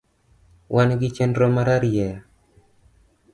Wangi chenro mararieya.